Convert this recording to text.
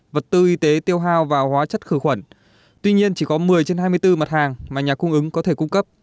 vật tư y tế tiêu hao và hóa chất khử khuẩn tuy nhiên chỉ có một mươi trên hai mươi bốn mặt hàng mà nhà cung ứng có thể cung cấp